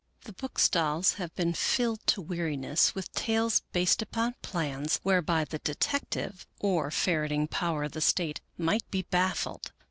The book stalls have been filled to weariness with tales based upon plans whereby the detective, or ferreting power of the State might be baffled.